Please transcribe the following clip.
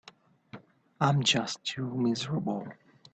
I'm just too miserable.